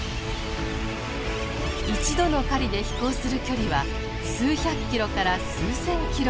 一度の狩りで飛行する距離は数百キロから数千キロ。